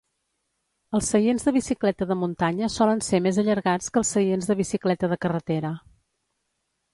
Els seients de bicicleta de muntanya solen ser més allargats que els seients de bicicleta de carretera.